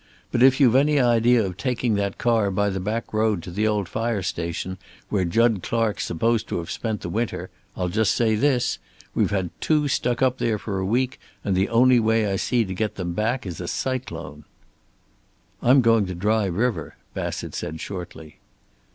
But if you've any idea of taking that car by the back road to the old fire station where Jud Clark's supposed to have spent the winter, I'll just say this: we've had two stuck up there for a week, and the only way I see to get them back is a cyclone." "I'm going to Dry River," Bassett said shortly.